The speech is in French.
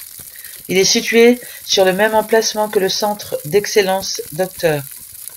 Il est situé sur le même emplacement que le Centre d'excellence Dr.